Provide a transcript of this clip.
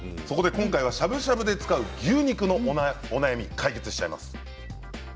そこで今回はしゃぶしゃぶで使う牛肉のお悩み解決しちゃいます。